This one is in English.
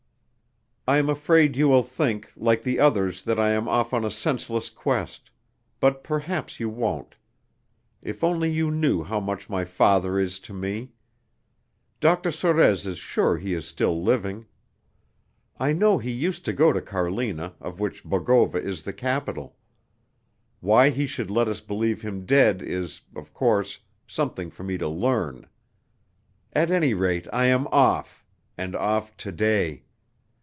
I'm afraid you will think, like the others, that I am off on a senseless quest; but perhaps you won't. If only you knew how much my father is to me! Dr. Sorez is sure he is still living. I know he used to go to Carlina, of which Bogova is the capitol. Why he should let us believe him dead is, of course, something for me to learn. At any rate, I am off, and off to day.